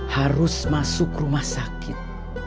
harus masuk rumah sakit